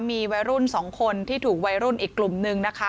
มีวัยรุ่น๒คนที่ถูกวัยรุ่นอีกกลุ่มนึงนะคะ